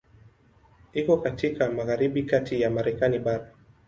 Iko katika magharibi kati ya Marekani bara.